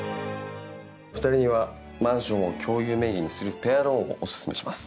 二人にはマンションを共有名義にするペアローンをおすすめします。